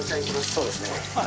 そうですね。